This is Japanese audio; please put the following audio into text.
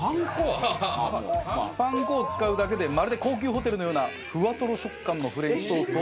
パン粉を使うだけでまるで高級ホテルのようなふわとろ食感のフレンチトーストを。